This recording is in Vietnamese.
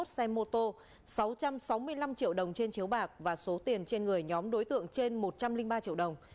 hai mươi xe mô tô sáu trăm sáu mươi năm triệu đồng trên chiếu bạc và số tiền trên người nhóm đối tượng trên một trăm linh ba triệu đồng